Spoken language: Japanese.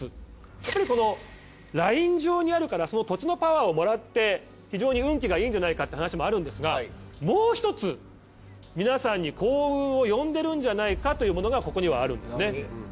やっぱりこのライン上にあるから土地のパワーをもらって非常に運気がいいんじゃないかって話もあるんですがもう１つ皆さんに幸運を呼んでるんじゃないかというものがここにはあるんですね。